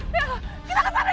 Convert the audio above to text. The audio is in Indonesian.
bella kita ke sana cepat